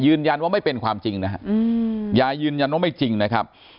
ยืนยันว่าไม่เป็นความจริงนะฮะยายยืนยันว่าไม่จริงนะครับ